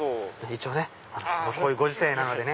一応こういうご時世なのでね。